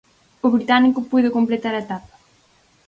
O británico puido completar a etapa.